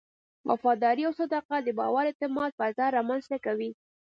وفاداري او صداقت د باور او اعتماد فضا رامنځته کوي.